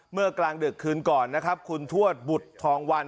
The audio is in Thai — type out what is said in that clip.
กลางดึกคืนก่อนนะครับคุณทวดบุตรทองวัน